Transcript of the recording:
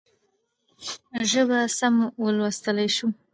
ژبه سمه ولوستلای شو.